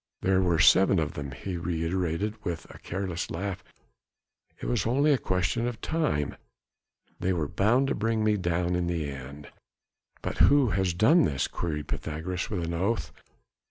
There were seven of them," he reiterated with a careless laugh, "it was only a question of time, they were bound to bring me down in the end." "But who has done this?" queried Pythagoras with an oath.